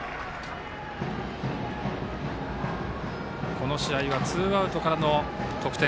この試合はツーアウトからの得点。